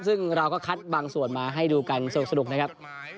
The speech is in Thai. ซึ่งเราก็คัดบางส่วนมาให้ดูกันสนุกนะครับ